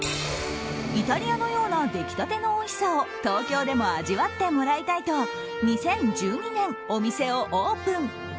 イタリアのような出来たてのおいしさを東京でも味わってもらいたいと２０１２年、お店をオープン。